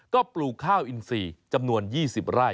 ก็ปลูกข้าวอินทรีย์จำนวน๒๐ไร่